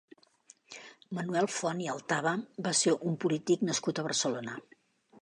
Manuel Font i Altaba va ser un polític nascut a Barcelona.